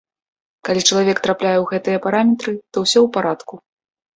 Калі чалавек трапляе ў гэтыя параметры, то ўсё ў парадку.